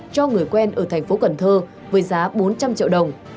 cho người quen ở thành phố cần thơ với giá bốn trăm linh triệu đồng